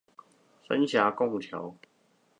三峽拱橋